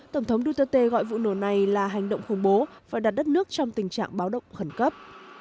tổng thống duterte gọi vụ nổ này là hành động khủng bố và đặt đất nước trong tình trạng báo động khẩn cấp